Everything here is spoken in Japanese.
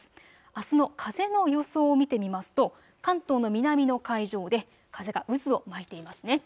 あすの風の予想を見てみますと関東の南の海上で風が渦を巻いていますね。